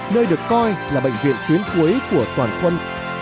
nơi được coi là bệnh viện tuyến cuối của toàn quân